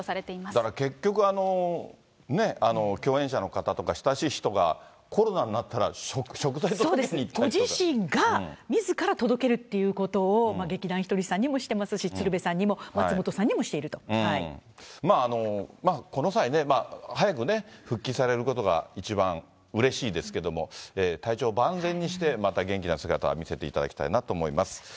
だから結局、共演者の方とか、親しい人がコロナになったら、ご自身がみずから届けるっていうことを、劇団ひとりさんにもしていますし、鶴瓶さんにも、松本さんにもしてこの際ね、早くね、復帰されることが一番うれしいですけども、体調を万全にして、また元気な姿を見せていただきたいなと思います。